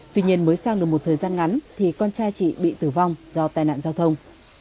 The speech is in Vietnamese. tuy nhiên mới sang được một thời gian ngắn thì con trai chị bị tử vong do tai nạn giao thông